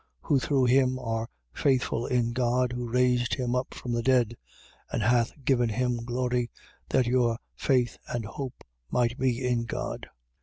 Who through him are faithful in God who raised him up from the dead and hath given him glory, that your faith and hope might be in God.